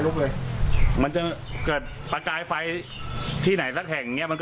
เลยมันจะเกิดประกายไฟที่ไหนสักแห่งเนี้ยมันก็